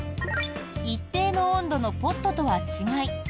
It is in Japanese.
一定の温度のポットとは違い